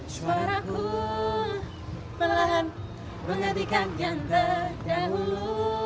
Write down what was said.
suaraku pelahan menggantikan yang terdahulu